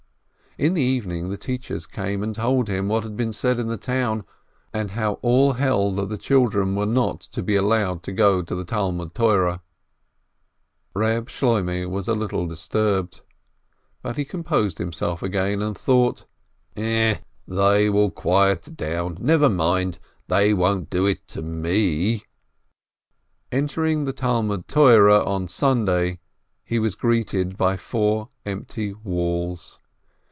In the evening the teachers came and told him what had been said in the town, and how all held that the children were not to be allowed to go to the Talmud Torah. Eeb Shloimeh was a little disturbed, but he composed himself again and thought : "Eh, they will quiet down, never mind ! They won't do it to me! " Entering the Talmud Torah on Sunday, he was greeted by four empty walls.